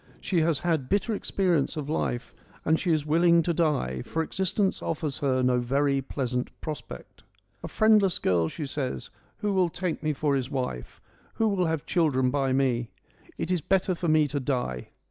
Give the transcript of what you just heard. She has had bitter experience of life and she is willing to die, for existence offers her no very pleasant prospect. * A friendless girl —' she says * who will take me for EURIPIDES 105 his wife ? Who will have children by me ? It is better for me to die.'